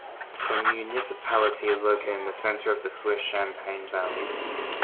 The municipality is located in the center of the Swiss Champagne valley.